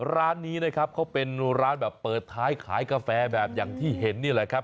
ร้านนี้นะครับเขาเป็นร้านแบบเปิดท้ายขายกาแฟแบบอย่างที่เห็นนี่แหละครับ